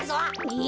え！